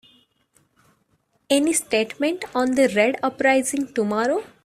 Any statement on the Red uprising tomorrow?